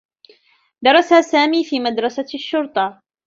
درس سامي في مدرسة الشّرطة.